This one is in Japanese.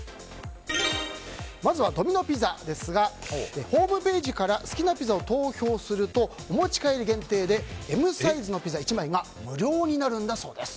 まずはドミノピザですがホームページから好きなピザを投票するとＭサイズのピザ１枚が無料になるそうです。